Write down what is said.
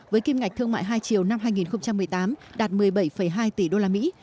với kim ngạch thương mại hai triệu năm hai nghìn một mươi tám đạt một mươi bảy hai tỷ usd